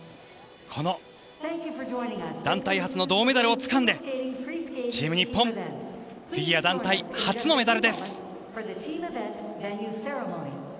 この団体初の銅メダルをつかんでチーム日本、フィギュア団体初のメダルです。